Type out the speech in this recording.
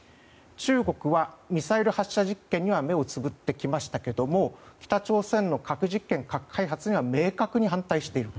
中国は、ミサイル発射実験には目をつぶってきましたが北朝鮮の核実験、核開発には明確に反対している。